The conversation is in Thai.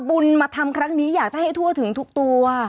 บุญมาทำครั้งนี้อยากจะให้ทั่วถึงทุกตัว